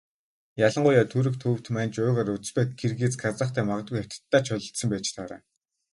Ялангуяа Түрэг, Төвөд, Манж, Уйгар, Узбек, Киргиз, Казахтай магадгүй Хятадтай ч холилдсон байж таараа.